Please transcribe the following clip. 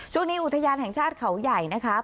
ช่วงนี้อุทยานแห่งชาติเขาใหญ่นะฮะ